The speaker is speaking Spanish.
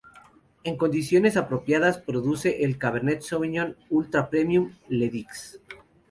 En condiciones apropiadas produce el Cabernet Sauvignon ultra premium "Le Dix".